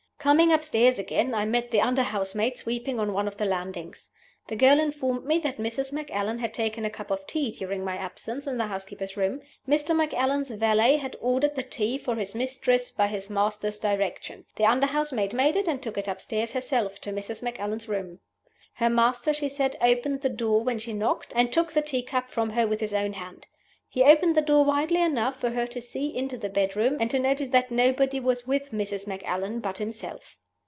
"Coming upstairs again, I met the under housemaid sweeping on one of the landings. "The girl informed me that Mrs. Macallan had taken a cup of tea during my absence in the housekeeper's room. Mr. Macallan's valet had ordered the tea for his mistress by his master's directions. The under housemaid made it, and took it upstairs herself to Mrs. Macallan's room. Her master, she said, opened the door when she knocked, and took the tea cup from her with his own hand. He opened the door widely enough for her to see into the bedroom, and to notice that nobody was with Mrs. Macallan but himself.